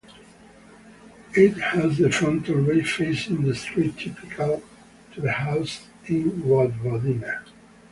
It has the fronton facing the street typical to the houses in Vojvodina.